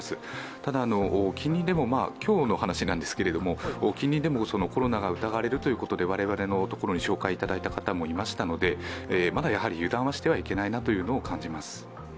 ただ、今日の話ですが、近隣でもコロナが疑われるということで我々のところに紹介いただいた方もいましたので、まだ油断はしてはいけないなというのを感じます。